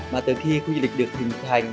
mà từ khi khu du lịch được hình thành